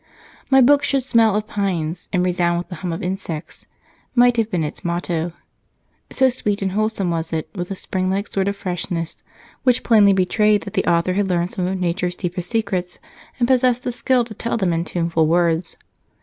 "My book should smell of pines, and resound with the hum of insects," might have been its motto, so sweet and wholesome was it with a springlike sort of freshness which plainly betrayed that the author had learned some of Nature's deepest secrets and possessed the skill to tell them in tuneful words.